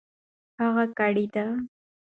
هغه کړېدی .